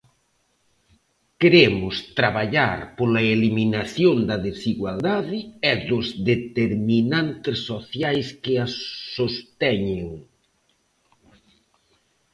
Queremos traballar pola eliminación da desigualdade e dos determinantes sociais que a sosteñen.